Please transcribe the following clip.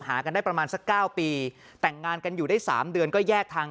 หากันได้ประมาณสัก๙ปีแต่งงานกันอยู่ได้๓เดือนก็แยกทาง